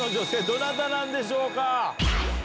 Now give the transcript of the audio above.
どなたなんでしょうか？